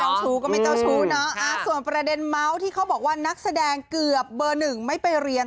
เจ้าชู้ก็ไม่เจ้าชู้เนาะส่วนประเด็นเมาส์ที่เขาบอกว่านักแสดงเกือบเบอร์หนึ่งไม่ไปเรียน